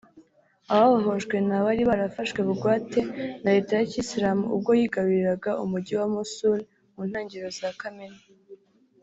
Ababohojwe ni abari barafashwe bugwate na Leta ya Kiyisilamu ubwo yigaruriraga umugi wa Mosul mu ntangiriro za Kamena